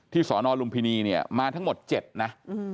สอนอลุมพินีเนี่ยมาทั้งหมด๗นะ